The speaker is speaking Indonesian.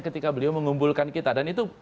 ketika beliau mengumpulkan kita dan itu